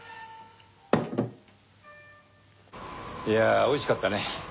いやあ美味しかったね。